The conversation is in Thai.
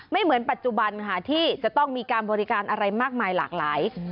เหมือนปัจจุบันค่ะที่จะต้องมีการบริการอะไรมากมายหลากหลาย